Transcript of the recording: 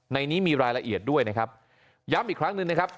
ในนี้มีรายละเอียดด้วยนะครับย้ำอีกครั้งหนึ่งนะครับ